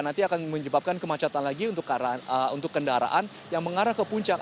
nanti akan menyebabkan kemacetan lagi untuk kendaraan yang mengarah ke puncak